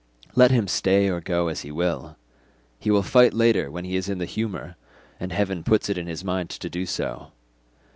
Let him stay or go as he will. He will fight later when he is in the humour, and heaven puts it in his mind to do so.